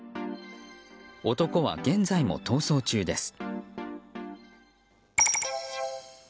男は現在も逃走中です。